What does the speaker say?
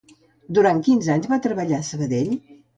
Durant quins anys va treballar a Sabadell?